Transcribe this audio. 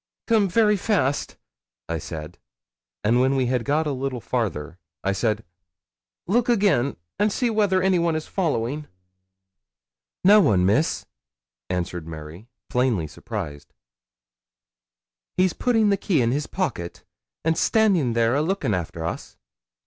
'Come very fast,' I said; and when we had got a little farther, I said, 'Look again, and see whether anyone is following.' 'No one, Miss,' answered Mary, plainly surprised. 'He's putting the key in his pocket, and standin' there a lookin' after us.'